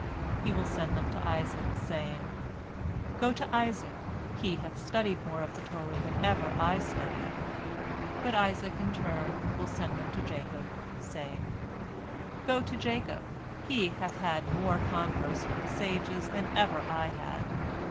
He will send them to Isaac, saying, "Go to Isaac, he hath studied more of the Torah than ever I studied," but Isaac, in turn, will send them to Jacob, saying, "Go to Jacob, he hath had more converse with the sages than ever I had."